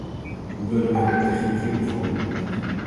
Hoe willen wij die technologie bevorderen?